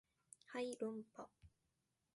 はい論破